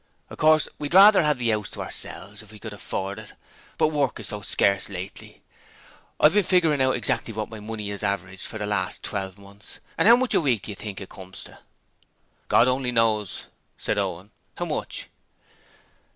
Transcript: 'Of course, we'd rather 'ave the 'ouse to ourselves if we could afford it, but work is so scarce lately. I've been figuring out exactly what my money has averaged for the last twelve months and how much a week do you think it comes to?' 'God only knows,' said Owen. 'How much?'